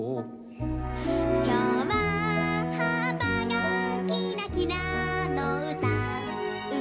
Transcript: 「きょうははっぱがきらきらのうた」